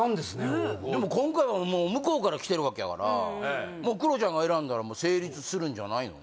応募でも今回は向こうから来てるわけやからクロちゃんが選んだら成立するんじゃないの？